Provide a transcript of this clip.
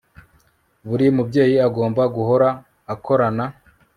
Buri mubyeyi agomba guhora akorana